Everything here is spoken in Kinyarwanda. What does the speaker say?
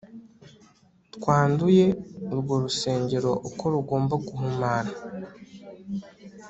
twanduye urwo rusengero uko rugomba guhumana